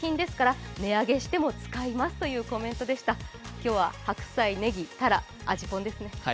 今日は白菜、ねぎ、たら、味ぽんですね。